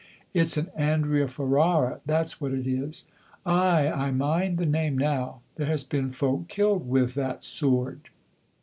"It's an Andrea Ferrara, that's what it is." "Ay, I mind the name now; there has been folk killed wi' that soord."